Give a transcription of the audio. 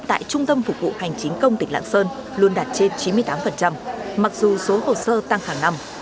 tại trung tâm phục vụ hành chính công tỉnh lạng sơn luôn đạt trên chín mươi tám mặc dù số hồ sơ tăng hàng năm